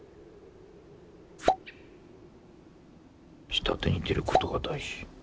下手に出ることが大事。